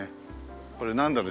これなんだろう？